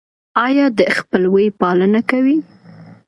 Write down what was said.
ایا د خپلوۍ پالنه کوئ؟